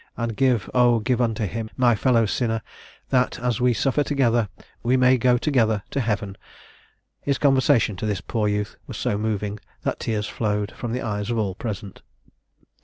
and give, oh! give unto him, my fellow sinner, that, as we suffer together, we may go together to Heaven!' His conversation to this poor youth was so moving, that tears flowed from the eyes of all present.